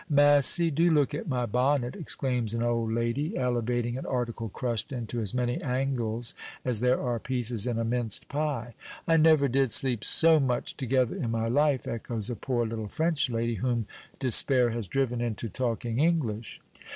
"Massy! do look at my bonnet!" exclaims an old lady, elevating an article crushed into as many angles as there are pieces in a minced pie. "I never did sleep so much together in my life," echoes a poor little French lady, whom despair has driven into talking English.